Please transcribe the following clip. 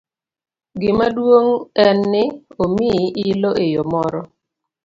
Gima duong' en ni omiyi ilo eyo moro.